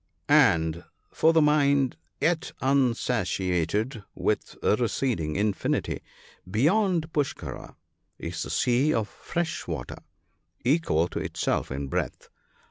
" And (for the mind yet unsatiated with receding infinity) beyond Puskkara is the sea of fresh water, equal to itself in breadth.